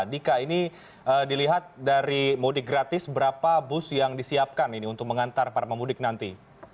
dika ini dilihat dari mudik gratis berapa bus yang disiapkan ini untuk mengantar para pemudik nanti